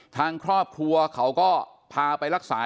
ทางครอบครัวเขาก็พาไปรักษา